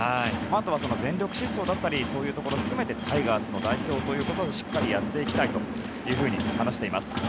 あとは全力疾走だったりそういうところを含めてタイガースの代表としてしっかりやっていきたいと話しています。